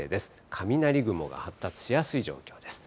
雷雲が発達しやすい状況です。